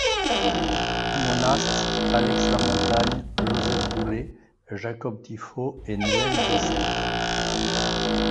Monast, Alex Lamontagne, Joseph Goulet, Jacob Thyfault et Len Bessette.